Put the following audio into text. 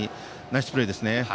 ナイスプレーです。